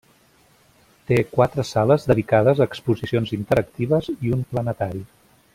Té quatre sales dedicades a exposicions interactives i un planetari.